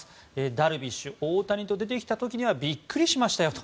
ダルビッシュ大谷と出てきた時にはビックリしましたよと。